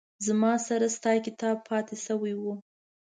زما سره ستا کتاب پاتې شوي وه